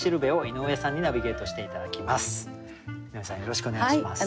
井上さんよろしくお願いします。